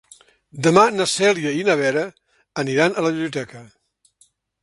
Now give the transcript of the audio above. Demà na Cèlia i na Vera aniran a la biblioteca.